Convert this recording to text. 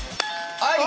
はい！